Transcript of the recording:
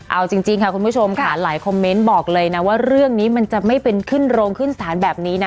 เอาจริงค่ะคุณผู้ชมค่ะหลายคอมเมนต์บอกเลยนะว่าเรื่องนี้มันจะไม่เป็นขึ้นโรงขึ้นศาลแบบนี้นะ